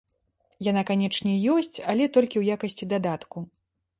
Яна канечне ёсць, але толькі ў якасці дадатку.